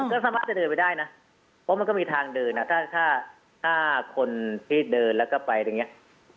ก็สามารถจะเดินไปได้นะเพราะมันก็มีทางเดินอ่ะถ้าถ้าคนที่เดินแล้วก็ไปตรงเนี้ย